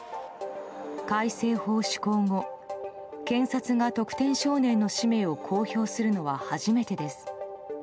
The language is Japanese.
改正法施行後、検察が特定少年の氏名を公表するのは初めてです。